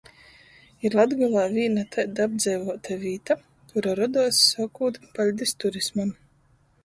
Ir Latgolā vīna taida apdzeivuota vīta, kura roduos, sokūt paļdis turismam.